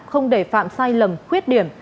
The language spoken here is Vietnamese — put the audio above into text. không để phạm sai lầm khuyết điểm